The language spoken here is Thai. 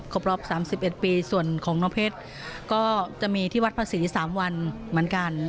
ครบรอบ๓๑ปีส่วนของน้องเพชรก็จะมีที่วัดภาษี๓วันเหมือนกัน